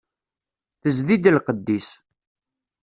Tezdi-d lqedd-is.